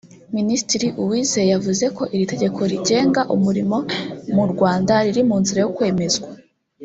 Minisitiri Uwizeye yavuze ko iri tegeko rigenga umurimo mu Rwanda riri mu nzira yo kwemezwa